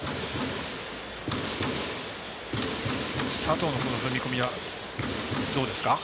佐藤の踏み込みはどうですか？